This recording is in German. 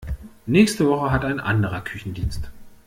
Nächste Woche hat ein anderer Küchendienst.